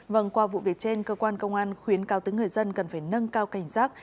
vâng qua vụ việc trên cơ quan công an khuyến cao tới người dân cần phải nâng cao cảnh giác